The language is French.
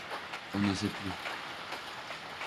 On ne sait plus...